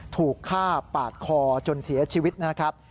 ถูกฆ่าปาดคอจนเสียชีวิตนะครับ